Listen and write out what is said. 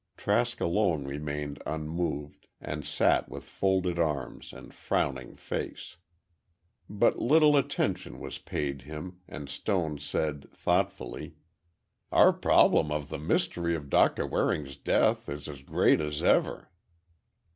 Trask alone remained unmoved, and sat with folded arms and frowning face. But little attention was paid him, and Stone said, thoughtfully: "Our problem of the mystery of Doctor Waring's death is as great as ever."